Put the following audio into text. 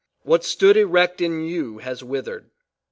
What stood erect in you, has withered.